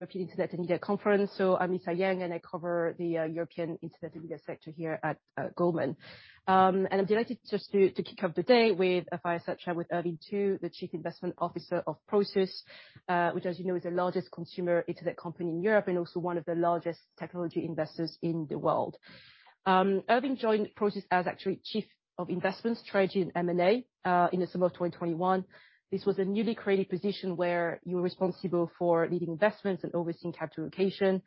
European Internet and Media Conference. I'm Lisa Yang, and I cover the European internet and media sector here at Goldman. I'm delighted just to kick off the day with a fireside chat with Ervin Tu, the Chief Investment Officer of Prosus, which as you know is the largest consumer internet company in Europe and also one of the largest technology investors in the world. Ervin joined Prosus as actually Chief of Investments, Strategy and M&A in December of 2021. This was a newly created position where you were responsible for leading investments and overseeing capital allocation.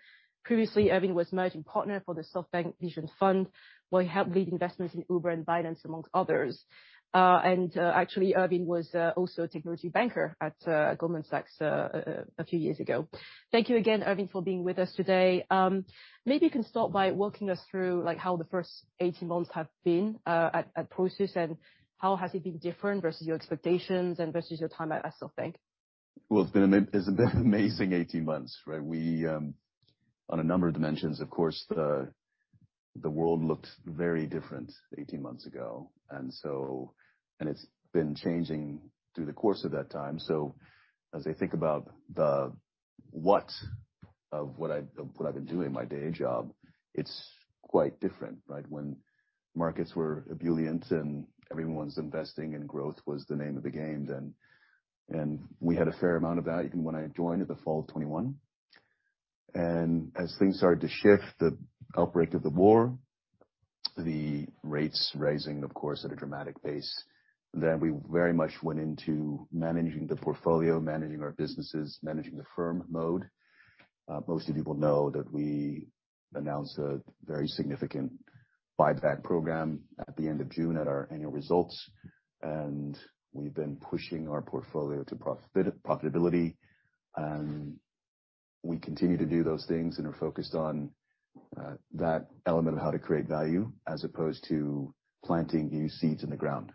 Previously, Ervin was Managing Partner for the SoftBank Vision Fund, where he helped lead investments in Uber and Binance, amongst others. Actually, Ervin was also a technology banker at Goldman Sachs a few years ago. Thank you again, Ervin, for being with us today. Maybe you can start by walking us through, like, how the first 18 months have been at Prosus, and how has it been different versus your expectations and versus your time at SoftBank? Well, it's been an amazing 18 months, right? We, on a number of dimensions, of course, the world looked very different 18 months ago. It's been changing through the course of that time. As I think about the what of what I've, of what I've been doing in my day job, it's quite different, right? When markets were ebullient and everyone's investing, and growth was the name of the game then, and we had a fair amount of that even when I joined in the fall of 2021. As things started to shift, the outbreak of the war, the rates raising, of course, at a dramatic pace, we very much went into managing the portfolio, managing our businesses, managing the firm mode. Most of you will know that we announced a very significant buyback program at the end of June at our annual results, we've been pushing our portfolio to profitability. We continue to do those things and are focused on that element of how to create value as opposed to planting new seeds in the ground.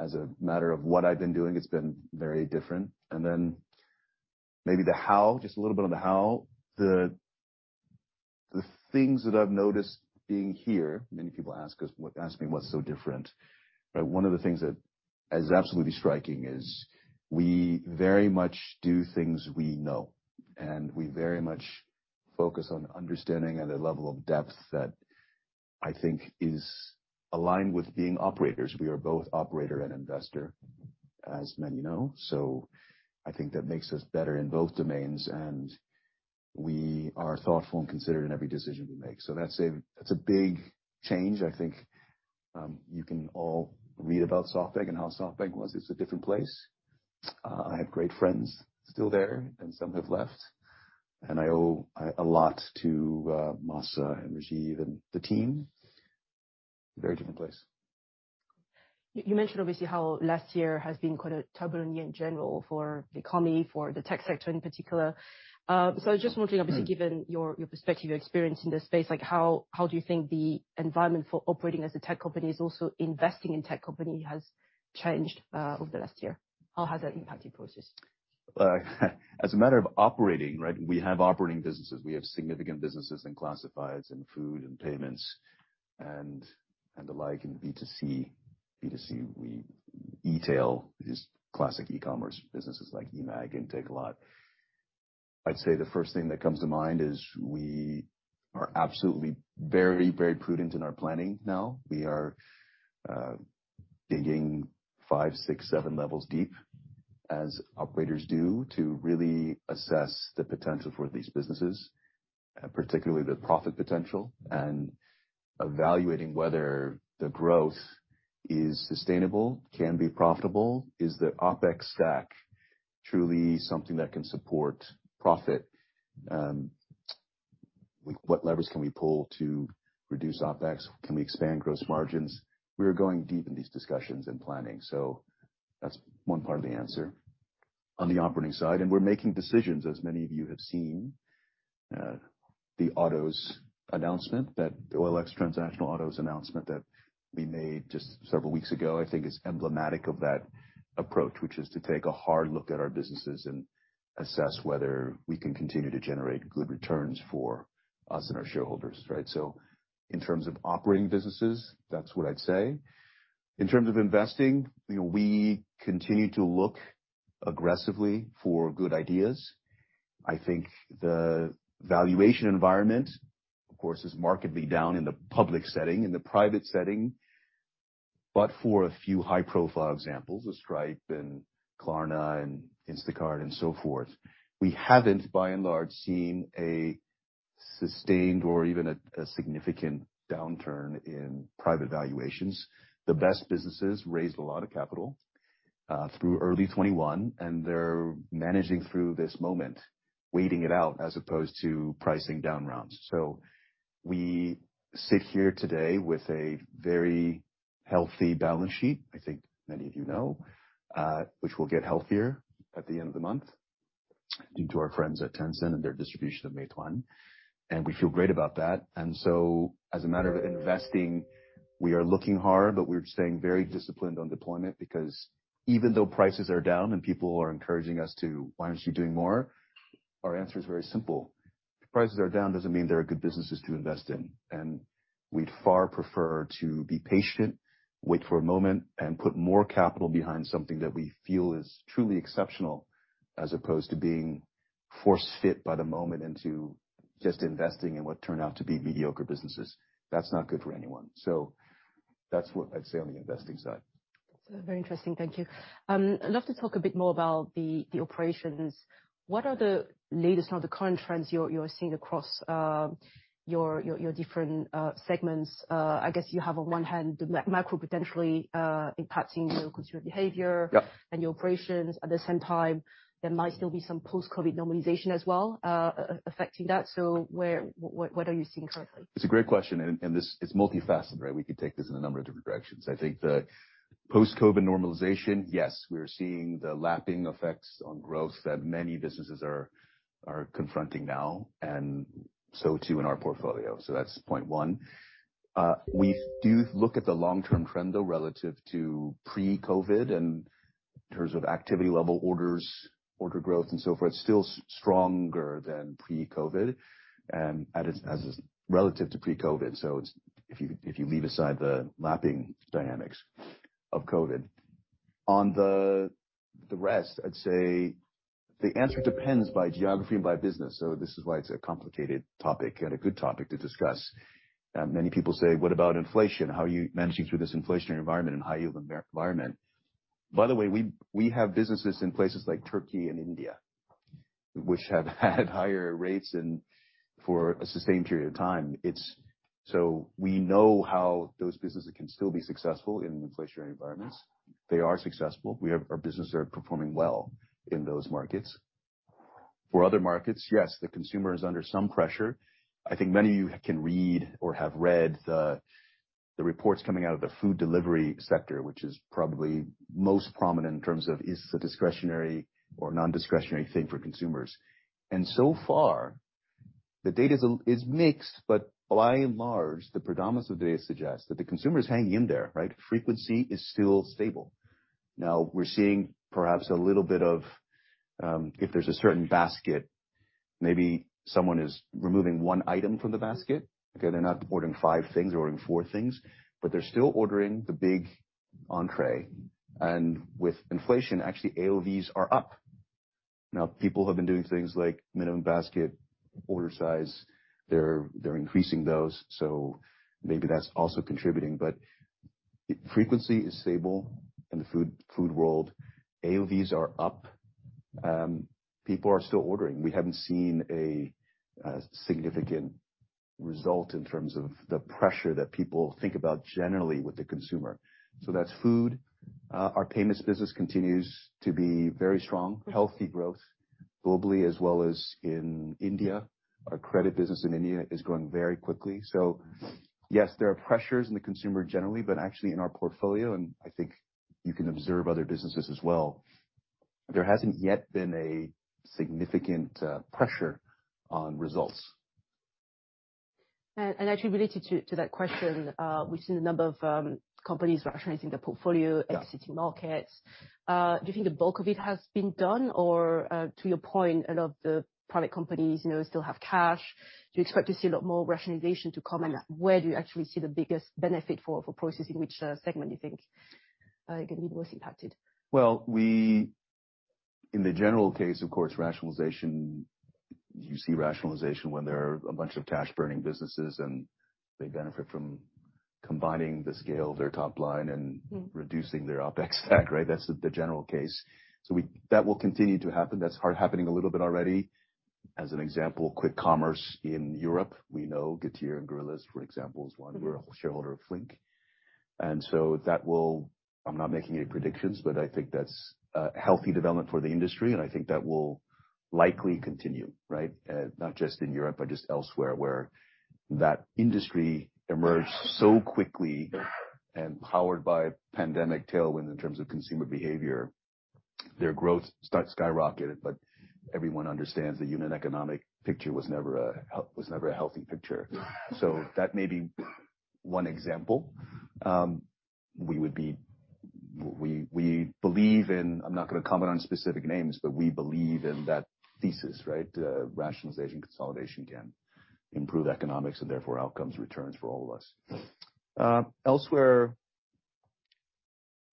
As a matter of what I've been doing, it's been very different. Maybe the how, just a little bit on the how. The things that I've noticed being here, many people ask us, ask me what's so different, right? One of the things that is absolutely striking is we very much do things we know, and we very much focus on understanding at a level of depth that I think is aligned with being operators. We are both operator and investor, as many know, so I think that makes us better in both domains. We are thoughtful and considerate in every decision we make. That's a big change. I think, you can all read about SoftBank and how SoftBank was. It's a different place. I have great friends still there, and some have left. I owe a lot to Masa and Rajeev and the team. Very different place. You mentioned obviously how last year has been quite a turbulent year in general for the economy, for the tech sector in particular. I was just wondering, obviously, given your perspective, your experience in this space, like how do you think the environment for operating as a tech company is also investing in tech company has changed over the last year? How has that impacted Prosus? As a matter of operating, right, we have operating businesses. We have significant businesses in classifieds and food and payments and the like in B2C. B2C, e-tail is classic e-commerce. Businesses like eMAG and Takealot. I'd say the first thing that comes to mind is we are absolutely very, very prudent in our planning now. We are digging five, six, seven levels deep, as operators do, to really assess the potential for these businesses, particularly the profit potential, and evaluating whether the growth is sustainable, can be profitable. Is the OpEx stack truly something that can support profit? What levers can we pull to reduce OpEx? Can we expand gross margins? We are going deep in these discussions and planning. That's one part of the answer on the operating side. We're making decisions, as many of you have seen. The autos announcement OLX transactional autos announcement that we made just several weeks ago, I think is emblematic of that approach, which is to take a hard look at our businesses and assess whether we can continue to generate good returns for us and our shareholders, right? In terms of operating businesses, that's what I'd say. In terms of investing, you know, we continue to look aggressively for good ideas. I think the valuation environment, of course, is markedly down in the public setting, in the private setting. For a few high-profile examples, a Stripe and Klarna and Instacart and so forth, we haven't, by and large, seen a significant downturn in private valuations. The best businesses raised a lot of capital through early 2021, and they're managing through this moment, waiting it out as opposed to pricing down rounds. We sit here today with a very healthy balance sheet, I think many of you know, which will get healthier at the end of the month due to our friends at Tencent and their distribution of Meituan, and we feel great about that. As a matter of investing, we are looking hard, but we're staying very disciplined on deployment because even though prices are down and people are encouraging us to, "Why aren't you doing more?" Our answer is very simple. Prices are down doesn't mean they are good businesses to invest in. We'd far prefer to be patient, wait for a moment, and put more capital behind something that we feel is truly exceptional, as opposed to being force-fit by the moment into just investing in what turn out to be mediocre businesses. That's not good for anyone. That's what I'd say on the investing side. Very interesting. Thank you. I'd love to talk a bit more about the operations. What are the latest or the current trends you're seeing across your different segments? I guess you have on one hand the macro potentially impacting your consumer behavior. Yeah. and your operations. At the same time, there might still be some post-COVID normalization as well, affecting that. What are you seeing currently? It's a great question, and this is multifaceted, right? We could take this in a number of different directions. I think the post-COVID normalization, yes, we are seeing the lapping effects on growth that many businesses are confronting now, and so too in our portfolio. That's point one. We do look at the long-term trend, though, relative to pre-COVID and in terms of activity level orders, order growth and so forth, still stronger than pre-COVID. As is relative to pre-COVID. It's, if you leave aside the lapping dynamics of COVID. On the rest, I'd say the answer depends by geography and by business. This is why it's a complicated topic and a good topic to discuss. Many people say, "What about inflation? How are you managing through this inflationary environment and high yield environment?" By the way, we have businesses in places like Turkey and India, which have had higher rates and for a sustained period of time. We know how those businesses can still be successful in inflationary environments. They are successful. Our businesses are performing well in those markets. For other markets, yes, the consumer is under some pressure. I think many of you can read or have read the reports coming out of the food delivery sector, which is probably most prominent in terms of is this a discretionary or non-discretionary thing for consumers. So far, the data is mixed, but by and large, the predominance of data suggests that the consumer is hanging in there, right? Frequency is still stable. We're seeing perhaps a little bit of, if there's a certain basket, maybe someone is removing one item from the basket, okay. They're not ordering five things, they're ordering four things, but they're still ordering the big entree. With inflation, actually, AOV's are up. People have been doing things like minimum basket order size. They're increasing those, so maybe that's also contributing. Frequency is stable in the food world. AOV's are up. People are still ordering. We haven't seen a significant result in terms of the pressure that people think about generally with the consumer. That's food. Our payments business continues to be very strong. Healthy growth globally as well as in India. Our credit business in India is growing very quickly. Yes, there are pressures in the consumer generally, but actually in our portfolio, and I think you can observe other businesses as well, there hasn't yet been a significant pressure on results. Actually related to that question, we've seen a number of companies rationalizing their portfolio. Yeah. -exiting markets. Do you think the bulk of it has been done? To your point, a lot of the private companies, you know, still have cash. Do you expect to see a lot more rationalization to come? Where do you actually see the biggest benefit for Prosus? Which segment you think is gonna be most impacted? Well, in the general case, of course, rationalization, you see rationalization when there are a bunch of cash burning businesses and they benefit from combining the scale of their top line and... Mm-hmm. -reducing their OpEx stack, right? That's the general case. That will continue to happen. That's happening a little bit already. As an example, quick commerce in Europe, we know Getir and Gorillas, for example, is one. We're a shareholder of Flink. That will... I'm not making any predictions, but I think that's a healthy development for the industry, and I think that will likely continue, right? Not just in Europe, but just elsewhere, where that industry emerged so quickly and powered by pandemic tailwind in terms of consumer behavior, their growth start skyrocketed, but everyone understands the unit economic picture was never a healthy picture. That may be one example. We believe in... I'm not gonna comment on specific names, but we believe in that thesis, right? Rationalization, consolidation can improve economics and therefore outcomes, returns for all of us. Elsewhere,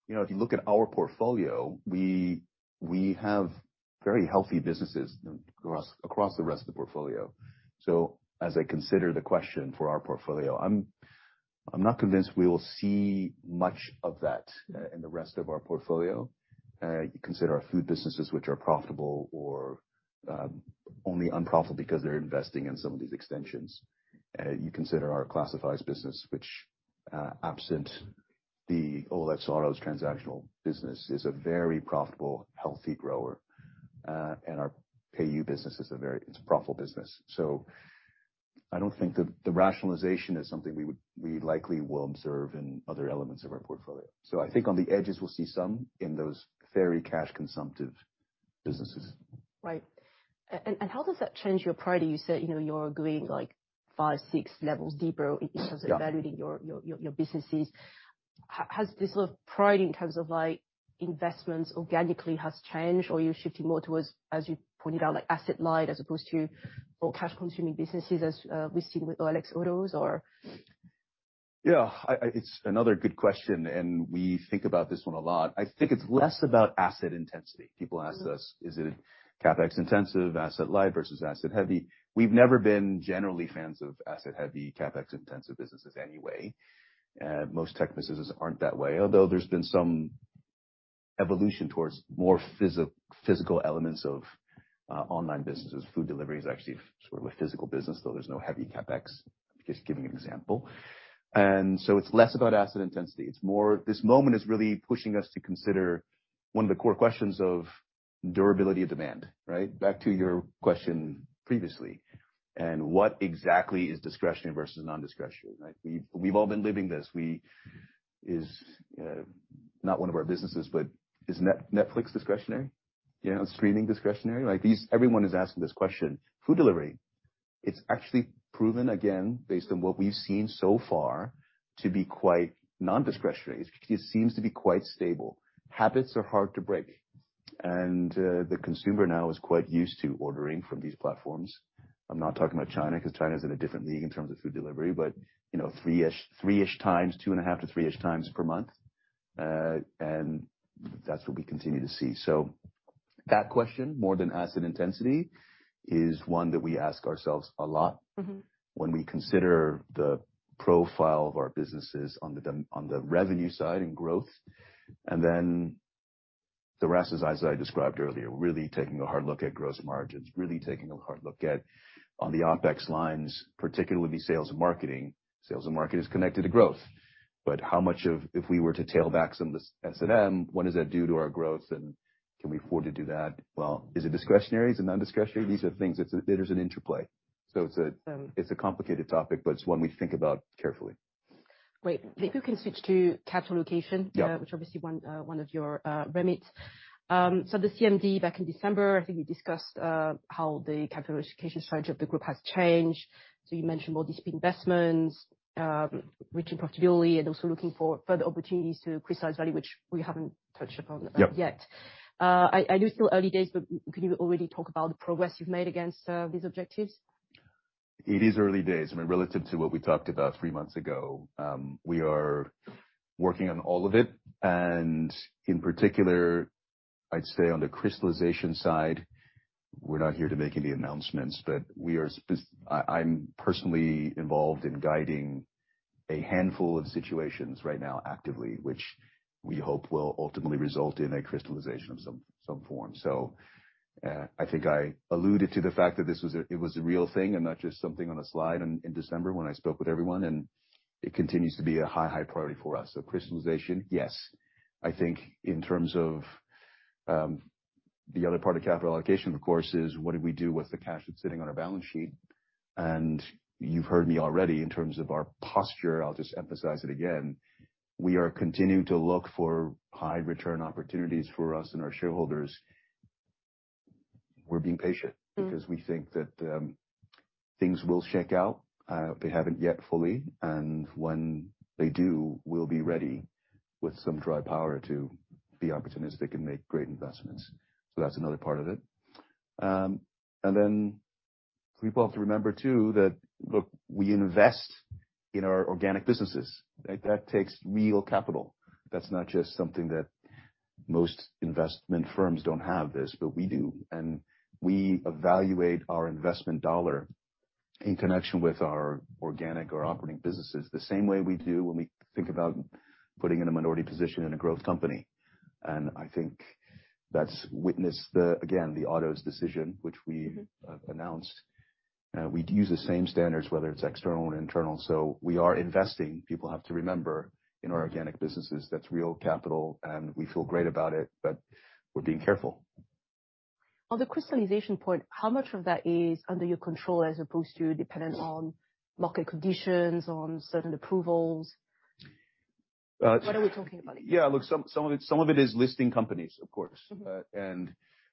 you know, if you look at our portfolio, we have very healthy businesses across the rest of the portfolio. As I consider the question for our portfolio, I'm not convinced we will see much of that in the rest of our portfolio. You consider our food businesses which are profitable or only unprofitable because they're investing in some of these extensions. You consider our classifieds business, which, absent the OLX Autos transactional business, is a very profitable, healthy grower. Our PayU business is a profitable business. I don't think the rationalization is something we likely will observe in other elements of our portfolio. I think on the edges, we'll see some in those very cash consumptive businesses. Right. How does that change your priority? You said, you know, you're going, like, 5, 6 levels deeper in terms of. Yeah. evaluating your businesses. Has this sort of priority in terms of like investments organically has changed, or you're shifting more towards, as you pointed out, like asset-light as opposed to more cash consuming businesses as we've seen with OLX Autos or? Yeah. It's another good question. We think about this one a lot. I think it's less about asset intensity. People ask us, "Is it CapEx intensive, asset-light versus asset heavy?" We've never been generally fans of asset heavy CapEx intensive businesses anyway. Most tech businesses aren't that way, although there's been some evolution towards more physical elements of online businesses. Food delivery is actually sort of a physical business, though there's no heavy CapEx. Just giving an example. It's less about asset intensity. It's more this moment is really pushing us to consider one of the core questions of durability of demand, right? Back to your question previously, what exactly is discretionary versus non-discretionary, right? We've all been living this. Is not one of our businesses, but is Netflix discretionary? You know, streaming discretionary? Like these, everyone is asking this question. Food delivery, it's actually proven, again, based on what we've seen so far to be quite non-discretionary. It seems to be quite stable. Habits are hard to break, and the consumer now is quite used to ordering from these platforms. I'm not talking about China, 'cause China's in a different league in terms of food delivery. You know, three-ish times, two and a half to three-ish times per month. That's what we continue to see. That question, more than asset intensity, is one that we ask ourselves a lot. Mm-hmm. When we consider the profile of our businesses on the revenue side and growth. The rest is, as I described earlier, really taking a hard look at gross margins, really taking a hard look at on the OpEx lines, particularly the sales and marketing. Sales and market is connected to growth. How much of... If we were to tail back some of the S&M, what is that do to our growth, and can we afford to do that? Is it discretionary? Is it non-discretionary? These are things that there's an interplay. Um. It's a complicated topic, but it's one we think about carefully. Great. If you can switch to capital allocation. Yeah. Which obviously one of your remits. The CMD back in December, I think you discussed how the capital allocation strategy of the group has changed. You mentioned more disciplined investments, reaching profitability and also looking for further opportunities to crystallize value, which we haven't touched upon. Yeah. yet. I know it's still early days, but could you already talk about the progress you've made against, these objectives? It is early days. I mean, relative to what we talked about three months ago, we are working on all of it. In particular, I'd say on the crystallization side, we're not here to make any announcements. I'm personally involved in guiding a handful of situations right now actively, which we hope will ultimately result in a crystallization of some form. I think I alluded to the fact that it was a real thing and not just something on a slide in December when I spoke with everyone, and it continues to be a high priority for us. Crystallization, yes. I think in terms of the other part of capital allocation, of course, is what do we do with the cash that's sitting on our balance sheet. You've heard me already in terms of our posture. I'll just emphasize it again. We are continuing to look for high return opportunities for us and our shareholders. We're being patient. Mm. -because we think that things will shake out. They haven't yet fully. When they do, we'll be ready with some dry powder to be opportunistic and make great investments. That's another part of it. People have to remember too that, look, we invest in our organic businesses. That takes real capital. That's not just something that most investment firms don't have this, but we do. We evaluate our investment dollar in connection with our organic or operating businesses the same way we do when we think about putting in a minority position in a growth company. I think that's witnessed the, again, the autos decision which we- Mm-hmm. announced. We'd use the same standards whether it's external or internal. We are investing, people have to remember, in our organic businesses. That's real capital, and we feel great about it, but we're being careful. On the crystallization point, how much of that is under your control as opposed to dependent on market conditions, on certain approvals? Uh, it's- What are we talking about here? Yeah. Look, some of it is listing companies, of course. Mm-hmm.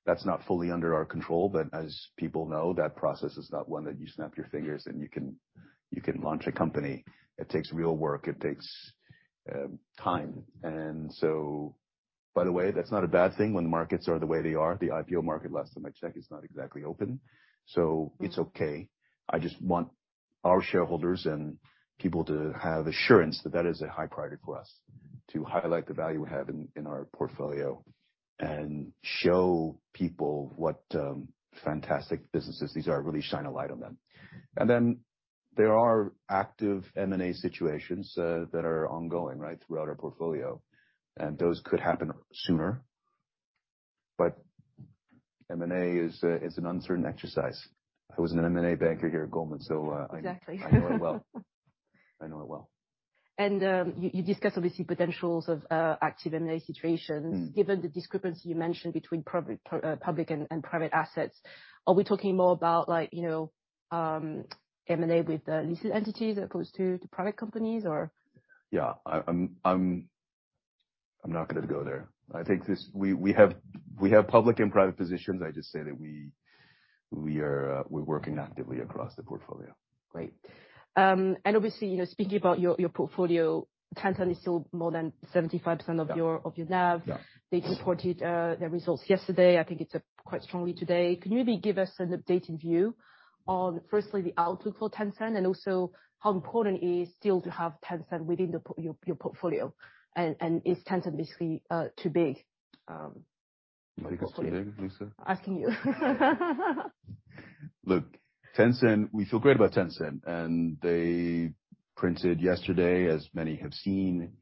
That's not fully under our control. As people know, that process is not one that you snap your fingers and you can launch a company. It takes real work. It takes time. By the way, that's not a bad thing when the markets are the way they are. The IPO market, last time I checked, is not exactly open. It's okay. I just want our shareholders and people to have assurance that that is a high priority for us, to highlight the value we have in our portfolio and show people what fantastic businesses these are, really shine a light on them. There are active M&A situations that are ongoing, right, throughout our portfolio. Those could happen sooner. M&A is an uncertain exercise. I was an M&A banker here at Goldman, so. Exactly. I know it well. I know it well. You discussed obviously potentials of active M&A situations. Mm. Given the discrepancy you mentioned between public and private assets, are we talking more about like, you know, M&A with the listed entities as opposed to private companies or? Yeah. I'm not gonna go there. We have public and private positions. I just say that we are working actively across the portfolio. Great. obviously, you know, speaking about your portfolio, Tencent is still more than 75%. Yeah. Of your NAV. Yeah. They reported their results yesterday. I think it's up quite strongly today. Can you maybe give us an updated view on, firstly, the outlook for Tencent, and also how important it is still to have Tencent within the your portfolio? Is Tencent basically, too big, in your portfolio? Do you think it's too big, Lisa? Asking you. Look, Tencent, we feel great about Tencent. They printed yesterday, as many have seen,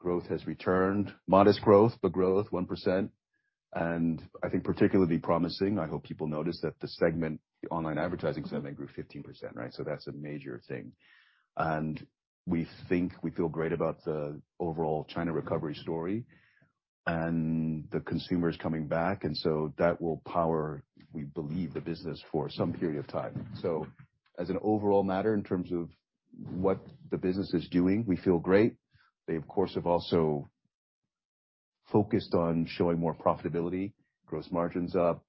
growth has returned. Modest growth, but growth, 1%. I think particularly promising, I hope people notice that the segment, the online advertising segment grew 15%, right? That's a major thing. We think we feel great about the overall China recovery story and the consumers coming back. That will power, we believe, the business for some period of time. As an overall matter in terms of what the business is doing, we feel great. They, of course, have also focused on showing more profitability, gross margins up,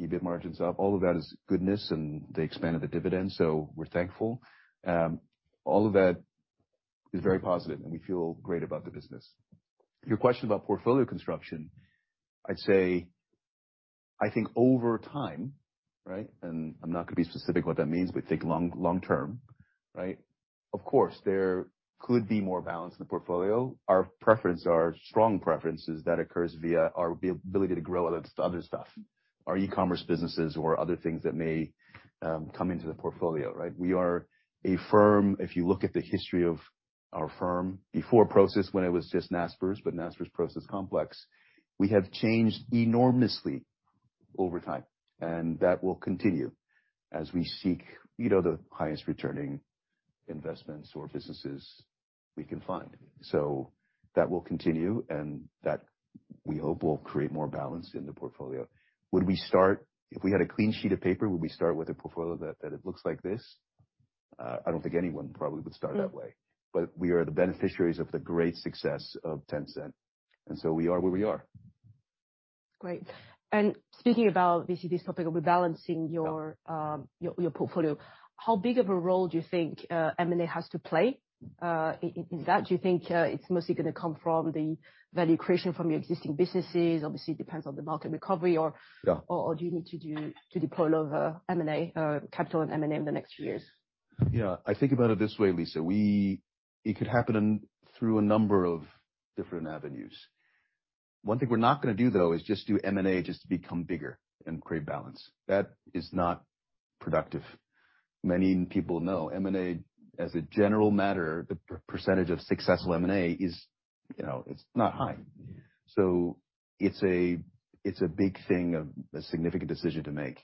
EBIT margins up. All of that is goodness, and they expanded the dividend, so we're thankful. All of that is very positive, and we feel great about the business. Your question about portfolio construction, I'd say I think over time, right, and I'm not gonna be specific what that means, we think long-term, right? Of course, there could be more balance in the portfolio. Our preference, our strong preference is that occurs via our ability to grow other stuff, our e-commerce businesses or other things that may come into the portfolio, right? We are a firm, if you look at the history of our firm before Prosus, when it was just Naspers, but Naspers Prosus complex, we have changed enormously over time, and that will continue as we seek, you know, the highest returning investments or businesses we can find. That will continue, and that we hope will create more balance in the portfolio. Would we start... If we had a clean sheet of paper, would we start with a portfolio that it looks like this? I don't think anyone probably would start that way. Mm-hmm. We are the beneficiaries of the great success of Tencent, and so we are where we are. Great. Speaking about basically this topic of rebalancing your portfolio, how big of a role do you think M&A has to play in that? Do you think it's mostly gonna come from the value creation from your existing businesses, obviously it depends on the market recovery? Yeah. Do you need to deploy a lot of M&A capital on M&A in the next few years? I think about it this way, Lisa. It could happen in, through a number of different avenues. One thing we're not gonna do though is just do M&A just to become bigger and create balance. That is not productive. Many people know M&A, as a general matter, the percentage of successful M&A is, you know, it's not high. It's a, it's a big thing of, a significant decision to make.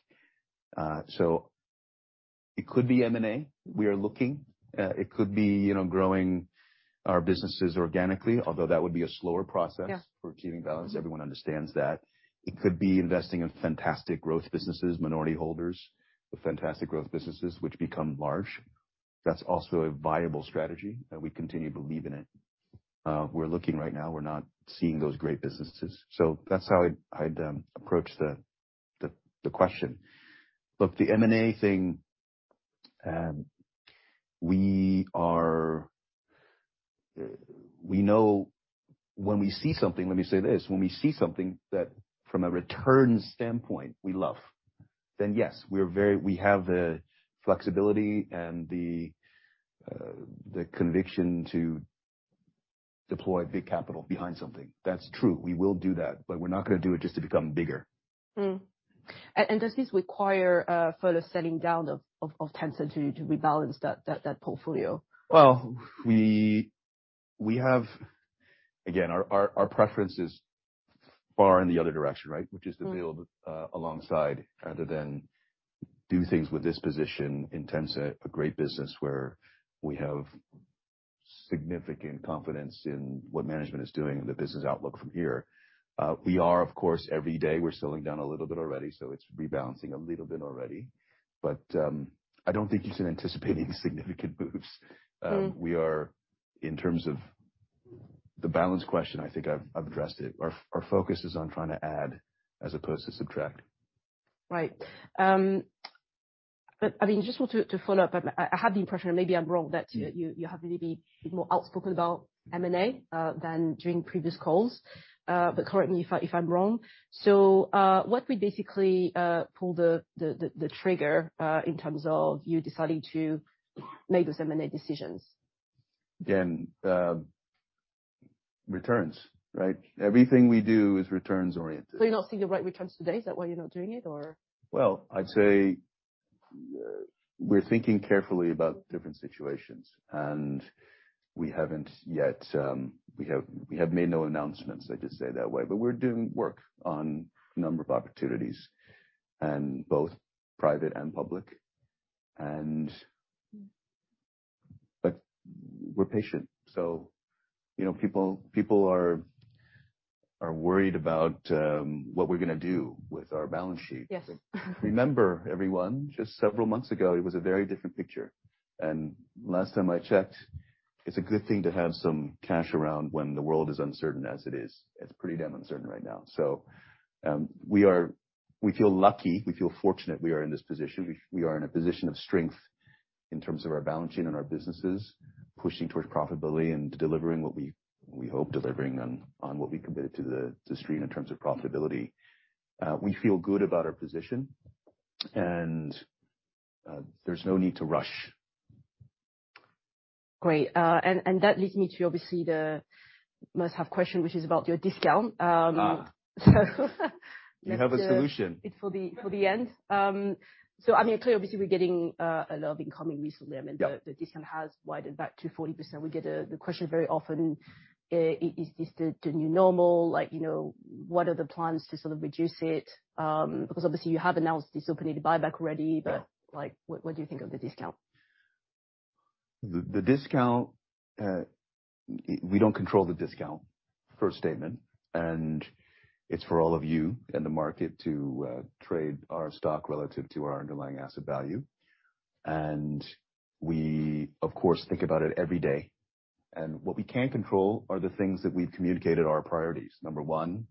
It could be M&A. We are looking. It could be, you know, growing our businesses organically, although that would be a slower process. Yeah. For achieving balance. Everyone understands that. It could be investing in fantastic growth businesses, minority holders with fantastic growth businesses which become large. That's also a viable strategy, and we continue to believe in it. We're looking right now. We're not seeing those great businesses. That's how I'd approach the question. Look, the M&A thing, we are, we know when we see something, let me say this, when we see something that from a return standpoint we love, then yes, we are very we have the flexibility and the conviction to deploy big capital behind something. That's true. We will do that, but we're not gonna do it just to become bigger. Does this require further selling down of Tencent to rebalance that portfolio? Well, we. Again, our preference is far in the other direction, right? Mm. Which is to build, alongside rather than do things with this position in Tencent, a great business where we have significant confidence in what management is doing and the business outlook from here. We are of course, every day, we're selling down a little bit already, so it's rebalancing a little bit already. I don't think you should anticipate any significant moves. Mm. We are, in terms of the balance question, I think I've addressed it. Our focus is on trying to add as opposed to subtract. Right. I mean, just want to follow up. I have the impression, and maybe I'm wrong, that you have maybe been more outspoken about M&A than during previous calls. Correct me if I'm wrong. What would basically pull the trigger in terms of you deciding to make those M&A decisions? Returns, right? Everything we do is returns oriented. You're not seeing the right returns today? Is that why you're not doing it or? Well, I'd say, we're thinking carefully about different situations, and we haven't yet, we have made no announcements, let me just say it that way. We're doing work on a number of opportunities and both private and public. We're patient. You know, people are worried about what we're gonna do with our balance sheet. Yes. Remember, everyone, just several months ago, it was a very different picture. Last time I checked, it's a good thing to have some cash around when the world is uncertain as it is. It's pretty damn uncertain right now. We feel lucky, we feel fortunate we are in this position. We are in a position of strength in terms of our balance sheet and our businesses, pushing towards profitability and delivering what we hope delivering on what we committed to the Street in terms of profitability. We feel good about our position and there's no need to rush. Great. That leads me to obviously the must-have question, which is about your discount. We have a solution. It's for the end. I mean, clearly obviously we're getting a lot of incoming recently. Yeah. I mean the discount has widened back to 40%. We get the question very often, is this the new normal? Like, you know, what are the plans to sort of reduce it? Because obviously you have announced this opening to buyback already. Yeah. Like, what do you think of the discount? The discount, we don't control the discount. First statement. It's for all of you in the market to trade our stock relative to our underlying asset value. We, of course, think about it every day. What we can control are the things that we've communicated are our priorities. Number one,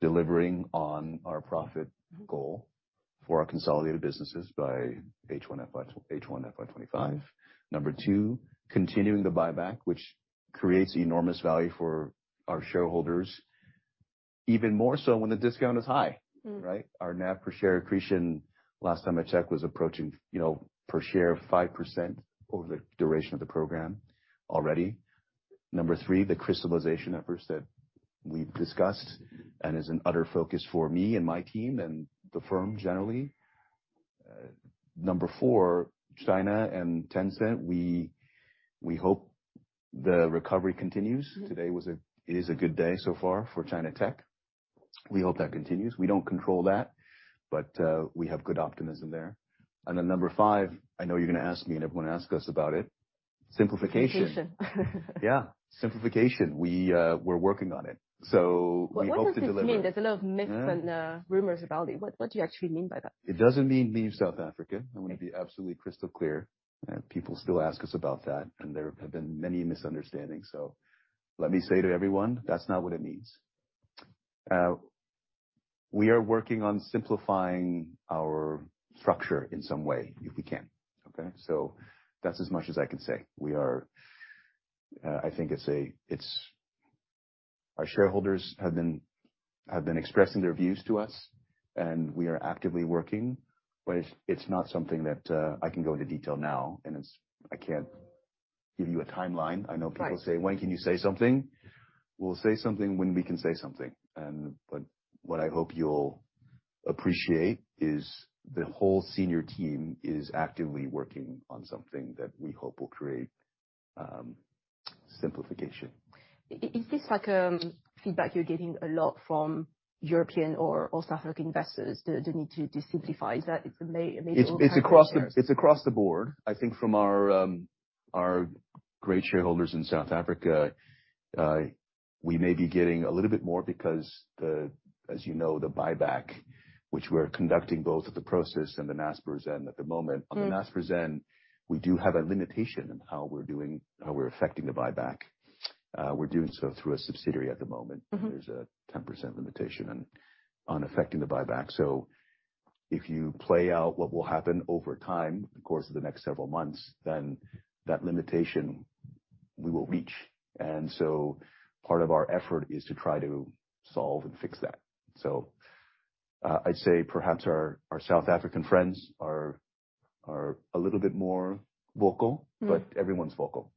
delivering on our profit goal for our consolidated businesses by H1 FY25. Number two, continuing the buyback, which creates enormous value for our shareholders, even more so when the discount is high. Mm. Right? Our NAV per share accretion, last time I checked, was approaching, you know, per share 5% over the duration of the program already. Number three, the crystallization efforts that we've discussed and is an utter focus for me and my team and the firm generally. Number four, China and Tencent, we hope the recovery continues. Mm. Today it is a good day so far for China Tech. We hope that continues. We don't control that, but we have good optimism there. Number five, I know you're gonna ask me, and everyone asks us about it. Simplification. Simplification. Yeah, simplification. We, we're working on it. We hope to deliver- What does this mean? There's a lot of myths-. Mm-hmm. Rumors about it. What do you actually mean by that? It doesn't mean leave South Africa. Okay. I wanna be absolutely crystal clear. People still ask us about that, and there have been many misunderstandings. Let me say to everyone, that's not what it means. We are working on simplifying our structure in some way if we can. Okay? That's as much as I can say. We are... I think it's... Our shareholders have been expressing their views to us, and we are actively working, but it's not something that, I can go into detail now, and it's... I can't give you a timeline. Right. I know people say, "When can you say something?" We'll say something when we can say something. What I hope you'll appreciate is the whole senior team is actively working on something that we hope will create simplification. Is this like, feedback you're getting a lot from European or South African investors, the need to desimplify? Is that? It's a ma-major- It's across the board. I think from our great shareholders in South Africa, we may be getting a little bit more because, as you know, the buyback, which we're conducting both of the Prosus and the Naspers end at the moment. Mm. On the Naspers end, we do have a limitation in how we're doing, how we're effecting the buyback. We're doing so through a subsidiary at the moment. Mm-hmm. There's a 10% limitation on effecting the buyback. If you play out what will happen over time, the course of the next several months, that limitation we will reach. Part of our effort is to try to solve and fix that. I'd say perhaps our South African friends are a little bit more vocal. Mm. Everyone's vocal.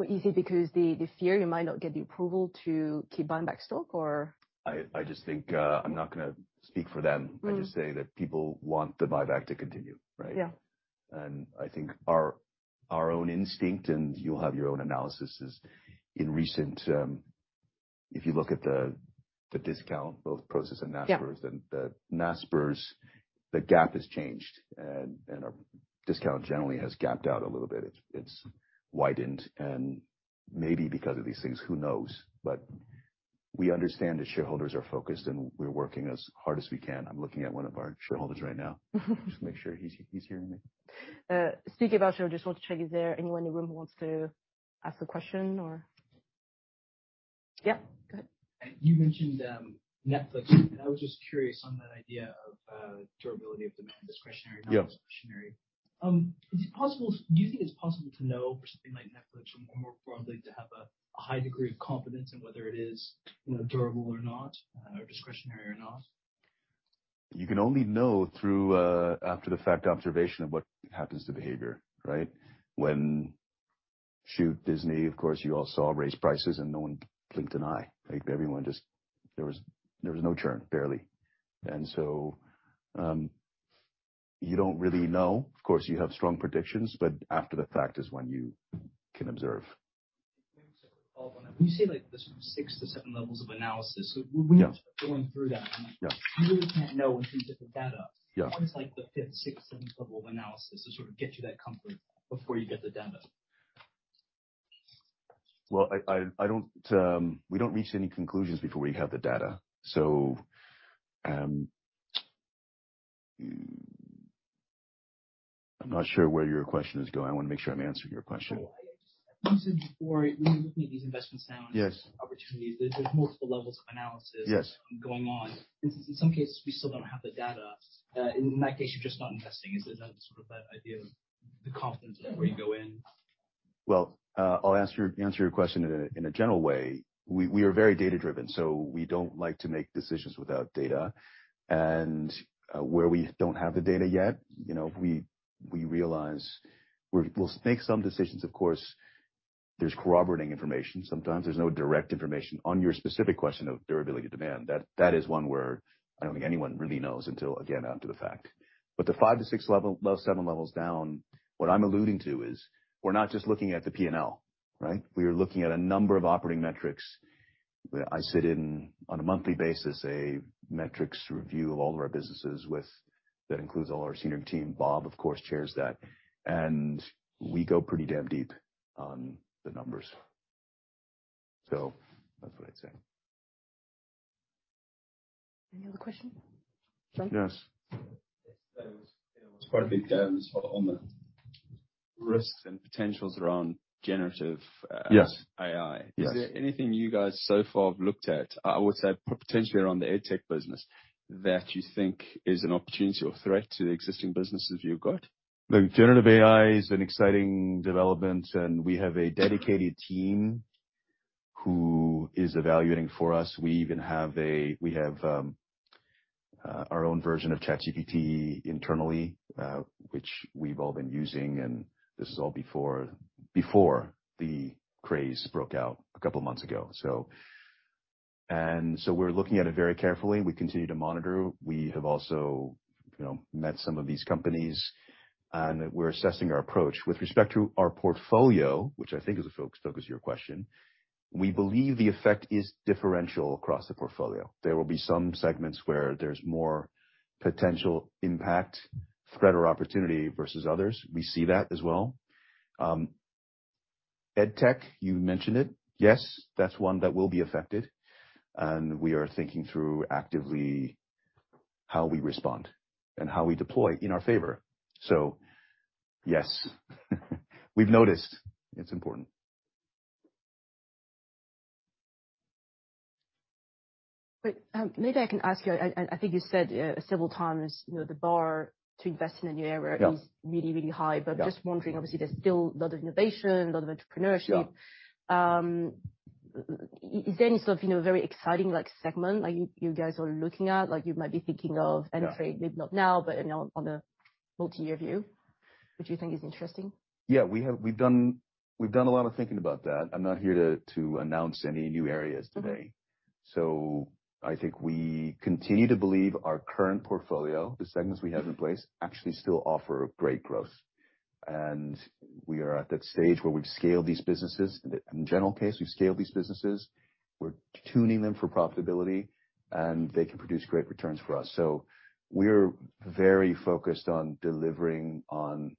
What, is it because the fear you might not get the approval to keep buying back stock or? I just think, I'm not gonna speak for them. Mm. I just say that people want the buyback to continue, right? Yeah. I think our own instinct, and you'll have your own analysis, is in recent, if you look at the discount, both Prosus and Naspers. Yeah. The Naspers, the gap has changed. Our discount generally has gapped out a little bit. It's widened and maybe because of these things, who knows? We understand the shareholders are focused, and we're working as hard as we can. I'm looking at one of our shareholders right now. Just make sure he's hearing me. Speaking about shareholders, I just want to check, is there anyone in the room who wants to ask a question or? Yeah, go ahead. You mentioned Netflix, and I was just curious on that idea of durability of demand. Yeah. Non-discretionary. Do you think it's possible to know for something like Netflix or more broadly, to have a high degree of confidence in whether it is, you know, durable or not, discretionary or not? You can only know through after the fact observation of what happens to behavior, right? When, shoot, Disney, of course, you all saw raised prices and no one blinked an eye. Like, everyone just. There was no churn, barely. You don't really know. Of course, you have strong predictions, but after the fact is when you can observe. Maybe just a quick follow-up on that. When you say, like, the 6-7 levels of analysis. Yeah. We went through that. Yeah. You really can't know until you get the data. Yeah. What is, like, the fifth, sixth, seventh level of analysis to sort of get you that comfort before you get the data? We don't reach any conclusions before we have the data. I'm not sure where your question is going. I wanna make sure I'm answering your question. Well, you said before when you're looking at these investments now. Yes. and opportunities, there's multiple levels of analysis- Yes. going on. In some cases, we still don't have the data. In that case, you're just not investing. Is it sort of that idea of the confidence level you go in? I'll answer your question in a, in a general way. We are very data-driven, so we don't like to make decisions without data. Where we don't have the data yet, you know, we realize we'll make some decisions. Of course, there's corroborating information. Sometimes there's no direct information. On your specific question of durability demand, that is one where I don't think anyone really knows until, again, until the fact. The five to six, seven levels down, what I'm alluding to is we're not just looking at the P&L, right? We are looking at a number of operating metrics. I sit in on a monthly basis, a metrics review of all of our businesses. That includes all our senior team. Bob, of course, chairs that. We go pretty damn deep on the numbers. That's what I'd say. Any other questions? Yes. There was quite a big focus on the risks and potentials around generative. Yes. -AI. Yes. Is there anything you guys so far have looked at, I would say potentially around the EdTech business, that you think is an opportunity or threat to the existing businesses you've got? The generative AI is an exciting development, and we have a dedicated team who is evaluating for us. We even have We have our own version of ChatGPT internally, which we've all been using, and this is all before the craze broke out a couple of months ago. We're looking at it very carefully. We continue to monitor. We have also, you know, met some of these companies, and we're assessing our approach. With respect to our portfolio, which I think is the focus of your question, we believe the effect is differential across the portfolio. There will be some segments where there's more potential impact, threat or opportunity versus others. We see that as well. EdTech, you mentioned it. Yes, that's one that will be affected. We are thinking through actively how we respond and how we deploy in our favor. Yes, we've noticed. It's important. Wait, maybe I can ask you. I think you said, several times, you know, the bar to invest in a new area... Yeah. is really, really high. Yeah. Just wondering, obviously, there's still a lot of innovation, a lot of entrepreneurship. Yeah. Is there any sort of, you know, very exciting, like, segment, like you guys are looking at? Like, you might be thinking of? Yeah. I'd say maybe not now, but, you know, on a multi-year view, which you think is interesting. Yeah. We've done a lot of thinking about that. I'm not here to announce any new areas today. Mm-hmm. I think we continue to believe our current portfolio, the segments we have in place, actually still offer great growth. We are at that stage where we've scaled these businesses. In the general case, we've scaled these businesses. We're tuning them for profitability, and they can produce great returns for us. We're very focused on delivering on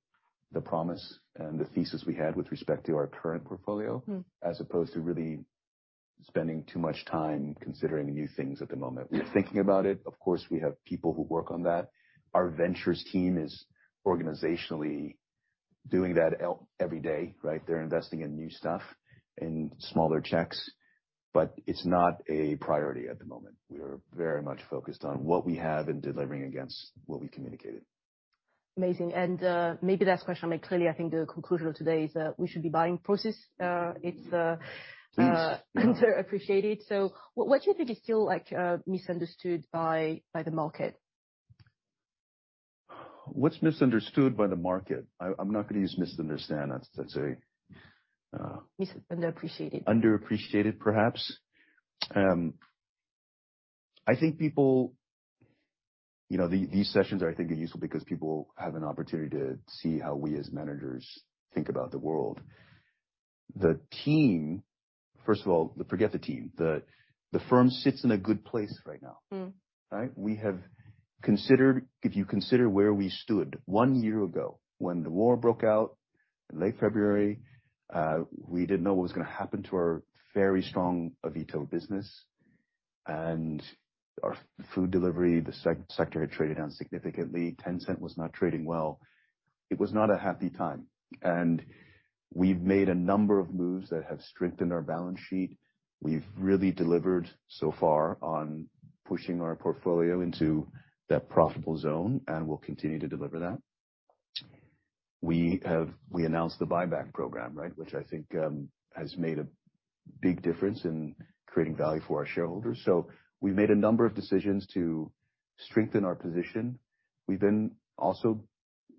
the promise and the thesis we had with respect to our current portfolio. Mm. as opposed to really spending too much time considering new things at the moment. We're thinking about it. Of course, we have people who work on that. Our ventures team is organizationally doing that every day, right? They're investing in new stuff in smaller checks, but it's not a priority at the moment. We are very much focused on what we have and delivering against what we communicated. Amazing. Maybe last question. I mean, clearly, I think the conclusion of today is that we should be buying Prosus. Please. underappreciated. what do you think is still like, misunderstood by the market? What's misunderstood by the market? I'm not gonna use misunderstand. That's a. Underappreciated. Underappreciated, perhaps. I think people... You know, these sessions I think are useful because people have an opportunity to see how we as managers think about the world. First of all, forget the team. The firm sits in a good place right now. Mm. Right? If you consider where we stood one year ago when the war broke out in late February, we didn't know what was gonna happen to our very strong of e-tail business. Our food delivery, the sector had traded down significantly. Tencent was not trading well. It was not a happy time. We've made a number of moves that have strengthened our balance sheet. We've really delivered so far on pushing our portfolio into that profitable zone, and we'll continue to deliver that. We announced the buyback program, right? Which I think has made a big difference in creating value for our shareholders. We made a number of decisions to strengthen our position. We've been also,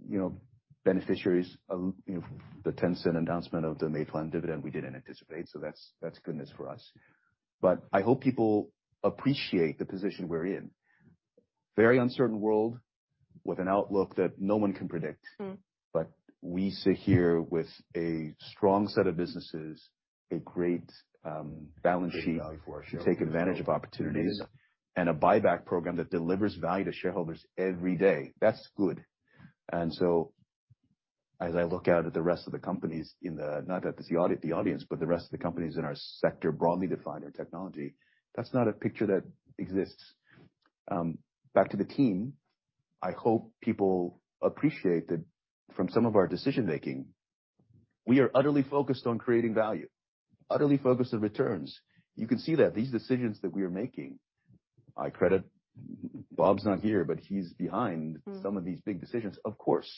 you know, beneficiaries of, you know, the Tencent announcement of the May plan dividend we didn't anticipate. That's, that's goodness for us. I hope people appreciate the position we're in. Very uncertain world with an outlook that no one can predict. Mm. We sit here with a strong set of businesses, a great balance sheet to take advantage of opportunities, and a buyback program that delivers value to shareholders every day. That's good. As I look out at the rest of the companies, not at the audience, but the rest of the companies in our sector, broadly defined, or technology, that's not a picture that exists. Back to the team. I hope people appreciate that from some of our decision-making, we are utterly focused on creating value, utterly focused on returns. You can see that. These decisions that we are making, I credit... Bob's not here, but he's behind- Mm. some of these big decisions. Of course,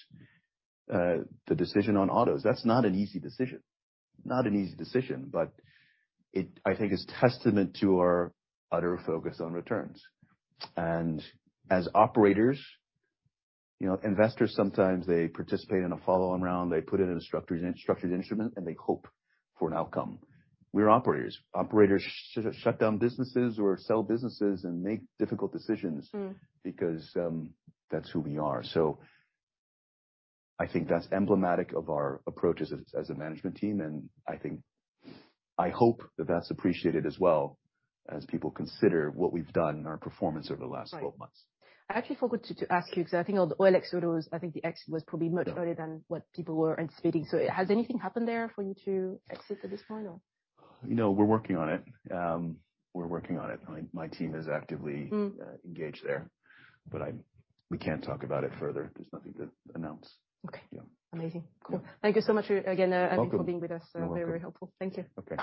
the decision on Autos, that's not an easy decision. Not an easy decision, but it, I think, is testament to our utter focus on returns. As operators, you know, investors, sometimes they participate in a follow-on round, they put in a structured instrument, and they hope for an outcome. We're operators. Operators shut down businesses or sell businesses and make difficult decisions. Mm. That's who we are. I think that's emblematic of our approach as a management team, and I hope that that's appreciated as well as people consider what we've done and our performance over the last 12 months. I actually forgot to ask you 'cause I think OLX Autos is, I think the exit was probably much earlier than what people were anticipating. Has anything happened there for you to exit at this point or? No, we're working on it. We're working on it. My team is actively- Mm. engaged there, but we can't talk about it further. There's nothing to announce. Okay. Yeah. Amazing. Cool. Thank you so much again. You're welcome. for being with us. You're welcome. Very, very helpful. Thank you. Okay.